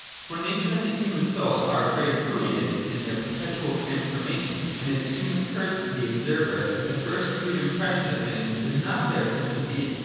For Nature and the human soul are a very Proteus in their perpetual transformations ; and it soon occurs to the observer that the first crude impression of things is not their essential being.